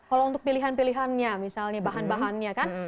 kalau untuk pilihan pilihannya misalnya bahan bahannya kan